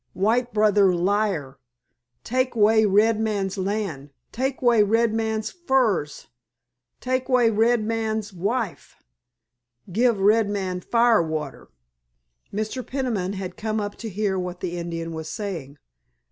"White brother liar. Take 'way red man's land, take 'way red man's furs, take 'way red man's wife, give red man fire water." Mr. Peniman had come up to hear what the Indian was saying.